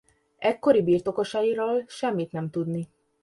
Ekkori birtokosairól semmit nem tudni.